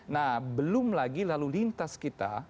nah belum lagi lalu lintas kita